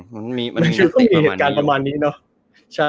มันคือก็มีเหตุการณ์ประมาณนี้เนอะ